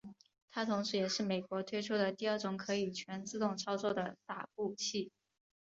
它同时也是美国推出的第二种可以全自动操作的洒布器。